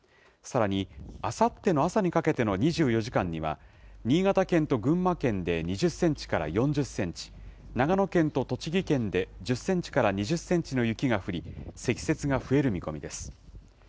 さらに、あさっての朝にかけての２４時間には、新潟県と群馬県で２０センチから４０センチ、長野県と栃木県で１０センチから２０センチの雪が降り、積雪が増える見込みです。